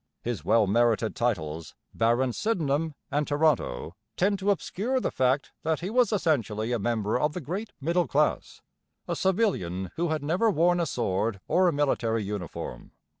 His well merited titles, Baron Sydenham and Toronto, tend to obscure the fact that he was essentially a member of the great middle class, a civilian who had never worn a sword or a military uniform.